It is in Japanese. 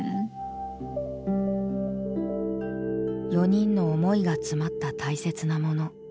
４人の思いが詰まった大切なもの。